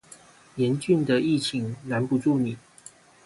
嚴峻的疫情攔不住你